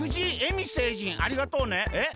海星人ありがとうね。えっ？